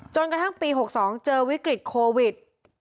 จนกระทั่งปี๖๒เจอวิกฤตโควิด